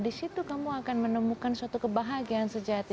di situ kamu akan menemukan suatu kebahagiaan sejati